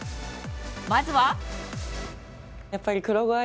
まずは。